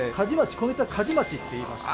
鍛冶町っていいまして。